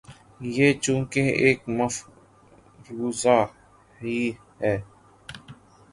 یہ چونکہ ایک مفروضہ ہی ہے۔